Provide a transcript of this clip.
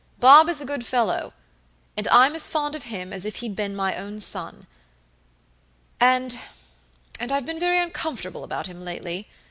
"Bob is a good fellow, and I'm as fond of him as if he'd been my own son; andandI've been very uncomfortable about him lately.